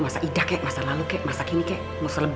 masa idah kayak masa lalu masa kini kayak masa selebay